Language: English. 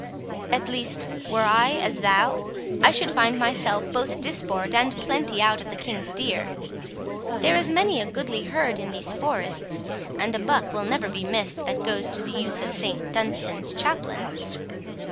At least, were I as thou, I should find myself both disport and plenty out of the king's deer. There is many a goodly herd in these forests, and a buck will never be missed that goes to the use of Saint Dunstan's chaplain."